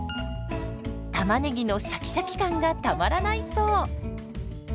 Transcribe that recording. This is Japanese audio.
たまねぎのシャキシャキ感がたまらないそう。